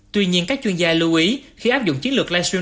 tuy nhiên các chuyên gia lưu ý khi áp dụng chiến lược live stream